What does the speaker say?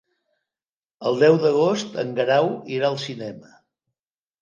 El deu d'agost en Guerau irà al cinema.